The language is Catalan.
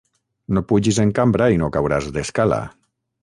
No pugis en cambra i no cauràs d'escala.